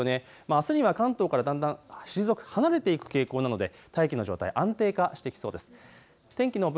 あすには関東からだんだん離れていく傾向なので大気の状態が安定化してきそうです。